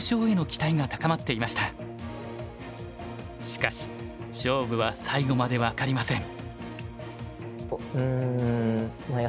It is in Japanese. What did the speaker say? しかし勝負は最後まで分かりません。